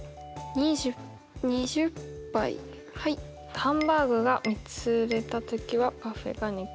ハンバーグが３つ売れた時はパフェが２個。